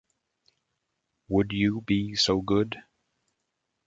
Would you be so good?